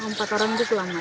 empat orang itu selamat